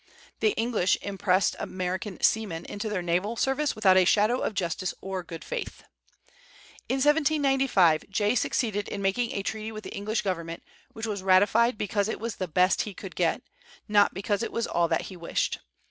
The English impressed American seamen into their naval service without a shadow of justice or good faith. In 1795 Jay succeeded in making a treaty with the English government, which was ratified because it was the best he could get, not because it was all that he wished.